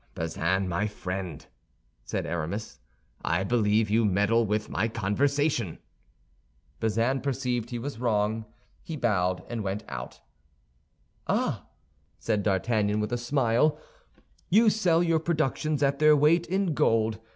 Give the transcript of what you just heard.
"Bazin, my friend," said Aramis, "I believe you meddle with my conversation." Bazin perceived he was wrong; he bowed and went out. "Ah!" said D'Artagnan with a smile, "you sell your productions at their weight in gold.